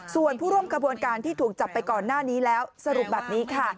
ส่วนผู้ร่วมกระบวนการที่ถูกจับไปก่อนหน้านี้แล้วสรุปแบบนี้ค่ะ